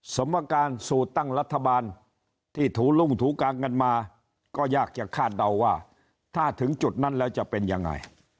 สมการสูตรตั้งรัฐบาลที่ถูลุ่งถูกางกันมาก็ยากจะคาดเดาว่าถ้าถึงจุดนั้นแล้วจะเป็นยังไง